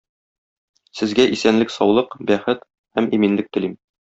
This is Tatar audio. Сезгә исәнлек-саулык, бәхет һәм иминлек телим!